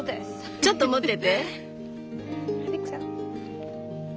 ちょっと持ってて。